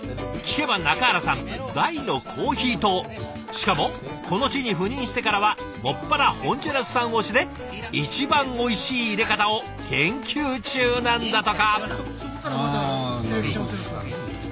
しかもこの地に赴任してからは専らホンジュラス産推しで一番おいしい淹れ方を研究中なんだとか。